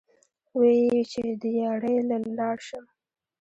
وې ئې چې " دیاړۍ له لاړ شم ـ